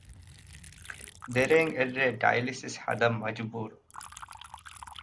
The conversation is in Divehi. ދެރޭން އެއްރޭ ޑައިލިސިސް ހަދަން މަޖުބޫރު